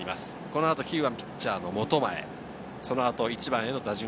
この後は９番・ピッチャーの本前。